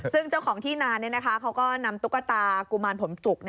ซึ่งเจ้าของที่นานเขาก็นำตุ๊กตากุมารผมจุก